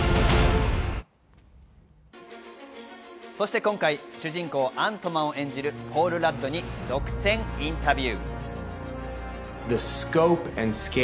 今回、主人公アントマンを演じるポール・ラッドに独占インタビュー。